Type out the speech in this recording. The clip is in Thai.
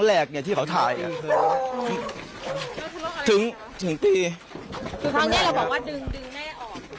แล้วพี่เด็กดีค่ะมี๑๒๕อย่างไหม